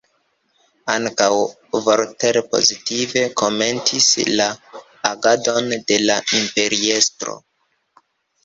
Ankaŭ Voltaire pozitive komentis la agadon de la Imperiestro.